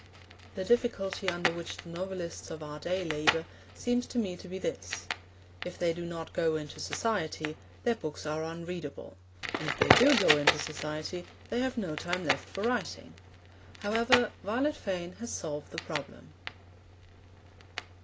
The difficulty under which the novelists of our day labour seems to me to be this: if they do not go into society, their books are unreadable; and if they do go into society, they have no time left for writing. However, Violet Fane has solved the problem.